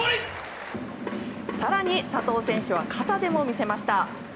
更に、佐藤選手は肩でも見せました。